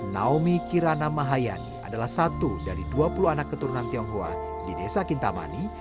naomi kirana mahayani adalah satu dari dua puluh anak keturunan tionghoa di desa kintamani